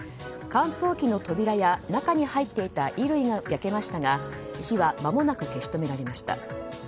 乾燥機の扉や、中に入っていた衣類が焼けましたが火はまもなく消し止められました。